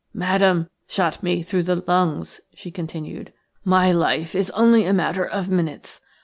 "Madame shot me through the lungs," she continued. "My life is only a matter of minutes.